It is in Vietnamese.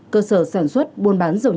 cơ sở sản xuất buôn bán dầu nhất